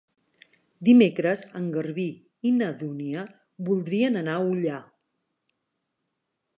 Dimecres en Garbí i na Dúnia voldrien anar a Ullà.